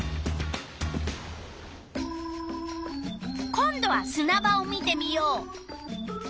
今度はすな場を見てみよう。